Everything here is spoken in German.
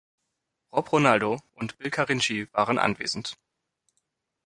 Rob Ronaldo und Bill Carinci waren anwesend.